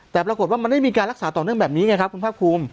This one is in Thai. แต่ปรากฏว่ามันไม่มีการรักษาต่อเนื่องแบบนี้ไงครับคุณภาคภูมิ